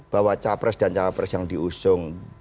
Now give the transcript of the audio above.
bahwa capres dan cawapres yang diusung